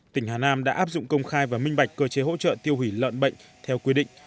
tỉnh hà nam đã áp dụng công khai và minh bạch cơ chế hỗ trợ tiêu hủy lợn bệnh theo quy định